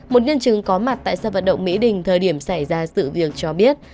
một nhân chứng có mặt tại sân vận động mỹ đình thời điểm xảy ra sự việc cho biết